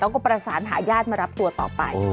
แล้วก็ประสานหาญาติมารับตัวต่อไป